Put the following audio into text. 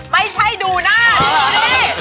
ไม่ใช่ดูหน้าดูนี่